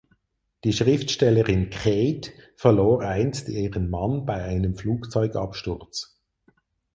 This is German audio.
Die Schriftstellerin Kate verlor einst ihren Mann bei einem Flugzeugabsturz.